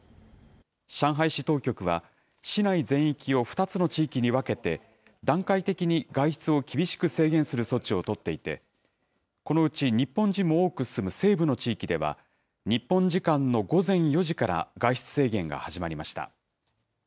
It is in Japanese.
上海市当局は、市内全域を２つの地域に分けて、段階的に外出を厳しく制限する措置を取っていて、このうち、日本人も多く住む西部の地域では、日本時間の午前４時から外出制限が始まりました。